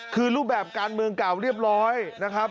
คือรูปแบบการเมืองเก่าเรียบร้อยนะครับ